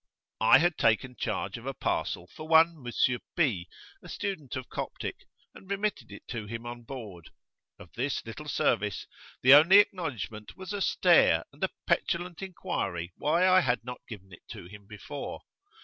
I had taken charge of a parcel for one M. P , a student of Coptic, and remitted it to him on board; of this little service the only acknowledgment was a stare and a petulant inquiry why I had not given it to him before.